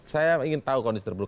saya ingin tahu kondisi terburu